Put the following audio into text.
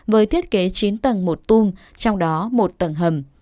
với thiết kế chín tầng một tung trong đó một tầng hầm